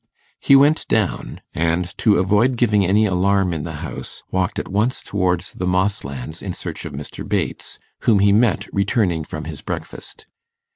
He went down, and, to avoid giving any alarm in the house, walked at once towards the Mosslands in search of Mr. Bates, whom he met returning from his breakfast.